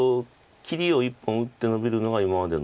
切りを１本打ってノビるのが今までの。